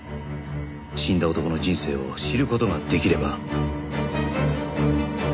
死んだ男の人生を知る事ができれば